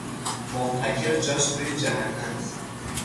محتکر جاش توی جهنمه